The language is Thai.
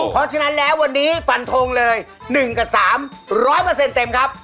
เพราะฉะนั้นแล้ววันนี้ฟันโทงเลย๑กับ๓ร้อยเปอร์เซ็นต์เต็มครับ